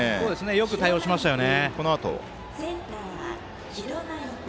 よく対応しましたよね。